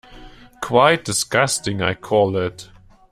Quite disgusting, I call it.